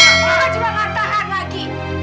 bapak juga nggak tahan lagi